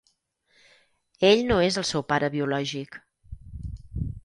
Ell no és el seu pare biològic.